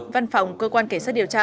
văn phòng cơ quan cảnh sát điều tra